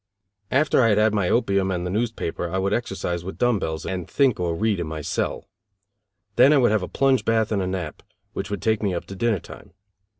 After I had had my opium and the newspaper I would exercise with dumb bells and think or read in my cell. Then I would have a plunge bath and a nap, which would take me up to dinner time.